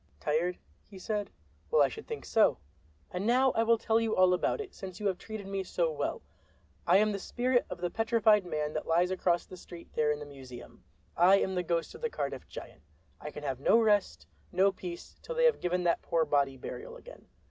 "Tired?" he said. "Well, I should think so. And now I will tell you all about it, since you have treated me so well. I am the spirit of the Petrified Man that lies across the street there in the museum. I am the ghost of the Cardiff Giant. I can have no rest, no peace, till they have given that poor body burial again.